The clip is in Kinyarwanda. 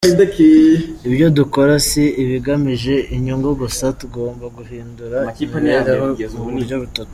Ibyo dukora si ibigamije inyungu gusa; tugomba guhindura imibereho mu buryo butatu.